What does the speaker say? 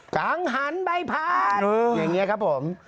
กลางหันใบพานอย่างนี้ครับผม